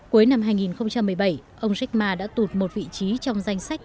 cuối năm hai nghìn một mươi bảy ông jack ma đã tụt một vị trí trong danh sách